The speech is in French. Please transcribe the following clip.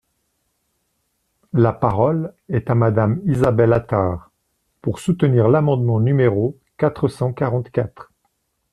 La parole est à Madame Isabelle Attard, pour soutenir l’amendement numéro quatre cent quarante-quatre.